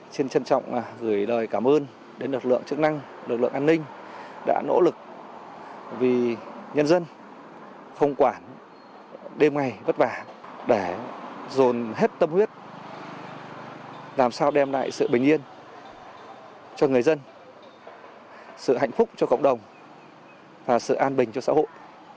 chân trân trọng gửi lời cảm ơn đến lực lượng chức năng lực lượng an ninh đã nỗ lực vì nhân dân không quản đêm ngày vất vả để dồn hết tâm huyết làm sao đem lại sự bình yên cho người dân sự hạnh phúc cho cộng đồng và sự an bình cho xã hội